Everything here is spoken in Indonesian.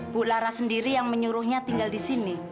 bu lara sendiri yang menyuruhnya tinggal di sini